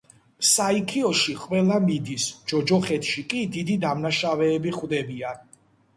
საიქიოში ყველა მიდის, ჯოჯოხეთში კი დიდი დამნაშავეები ხვდებიან.